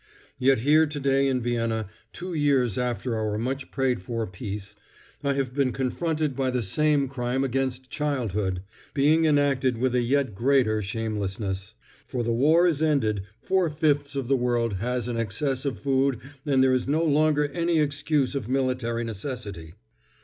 Yet here today in Vienna, two years after our much prayed for peace, I have been confronted by the same crime against childhood, being enacted with a yet greater shamelessness, for the war is ended, four fifths of the world has an excess of food and there is no longer any excuse of military necessity.